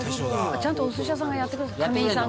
「ちゃんとお寿司屋さんがやってくれる亀井さんが」